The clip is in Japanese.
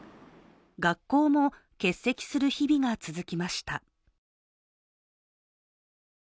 学校も欠席する日々が続きました。